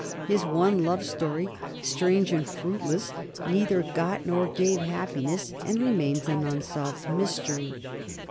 His one love story, strange and fruitless, neither got nor gave happiness and remains an unsolved mystery.